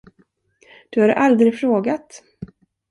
Du har aldrig frågat.